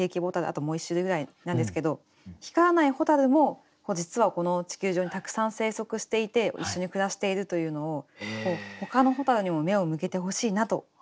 あともう１種類ぐらいなんですけど光らない蛍も実はこの地球上にたくさん生息していて一緒に暮らしているというのをほかの蛍にも目を向けてほしいなと思いつつ。